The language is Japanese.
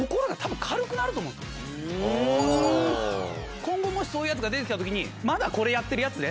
今後もしそういうヤツが出て来た時にまだこれやってるヤツね。